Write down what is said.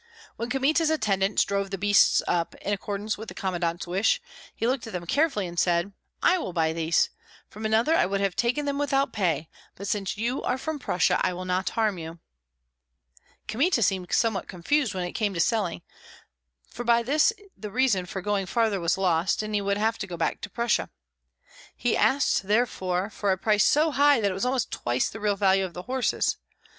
When Kmita's attendants drove the beasts up, in accordance with the commandant's wish, he looked at them carefully and said, "I will buy these. From another I would have taken them without pay; but since you are from Prussia, I will not harm you." Kmita seemed somewhat confused when it came to selling, for by this the reason for going farther was lost, and he would have to go back to Prussia. He asked therefore a price so high that it was almost twice the real value of the horses.